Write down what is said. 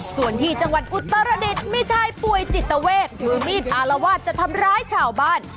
ส่วนที่จังหวัดอุตรดิษฐ์มีชายป่วยจิตเวทถือมีดอารวาสจะทำร้ายชาวบ้าน